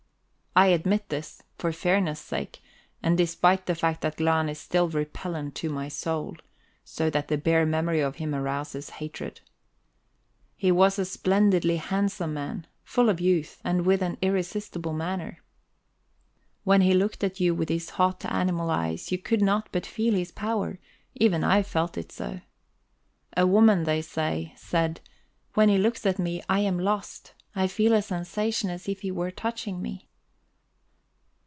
I admit this, for fairness' sake, and despite the fact that Glahn is still repellant to my soul, so that the bare memory of him arouses hatred. He was a splendidly handsome man, full of youth, and with an irresistible manner. When he looked at you with his hot animal eyes, you could not but feel his power; even I felt it so. A woman, they say, said: "When he looks at me, I am lost; I feel a sensation as if he were touching me."